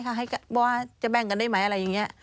เพราะว่าจะแบ่งกันได้ไหมอะไรอย่างนี้